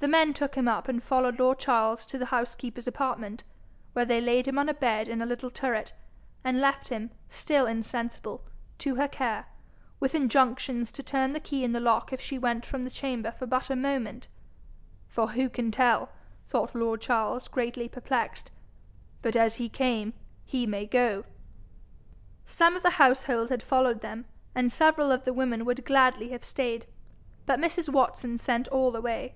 The men took him up and followed lord Charles to the housekeeper's apartment, where they laid him on a bed in a little turret, and left him, still insensible, to her care, with injunctions to turn the key in the lock if she went from the chamber but for a moment. 'For who can tell,' thought lord Charles, greatly perplexed, 'but as he came he may go?' Some of the household had followed them, and several of the women would gladly have stayed, but Mrs. Watson sent all away.